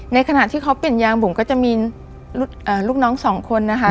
ในขณะที่เขาเปลี่ยนยางบุ๋มก็จะมีลูกน้อง๒คน